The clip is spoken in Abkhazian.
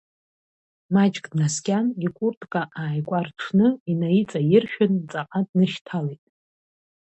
Маҷк днаскьан, икуртка ааикәарҽны инаиҵаиршәын, ҵаҟа днышьҭалеит.